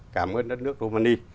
cảm ơn đất nước romani